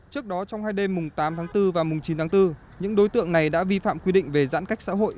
trước đó trong hai đêm tám bốn và chín bốn những đối tượng này đã vi phạm quy định về giãn cách xã hội